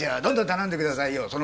どんどん頼んでくださいよ。